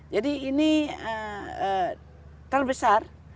jadi ini terbesar